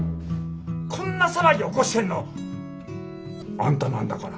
こんな騒ぎ起こしてんのあんたなんだから。